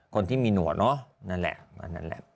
คนที่มีหนัวเนอะนั่นแหละใช่ไหม